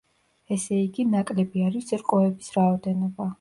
ესე იგი, ნაკლები არის რკოების რაოდენობა.